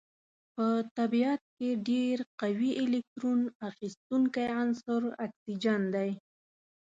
په طبیعت کې ډیر قوي الکترون اخیستونکی عنصر اکسیجن دی.